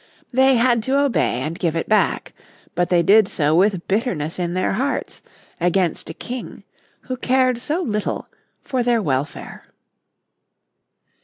They had to obey and give it back. But they did so with bitterness in their hearts against a King who cared so little for their welfare.